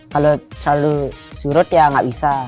kalau terlalu surut ya nggak bisa